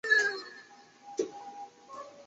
突厥人是欧亚大陆民族的主要成份之一。